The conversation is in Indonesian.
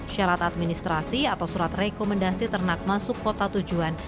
syarat administrasi atau surat rekomendasi ternak masuk kota tujuan